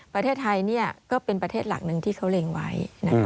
ประเทศไทยก็เป็นประเทศหลักหนึ่งที่เขาเล็งไว้